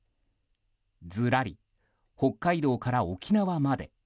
ずらり、北海道から沖縄まで。